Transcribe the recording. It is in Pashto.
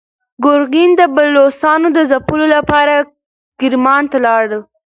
ګورګین د بلوڅانو د ځپلو لپاره کرمان ته لاړ.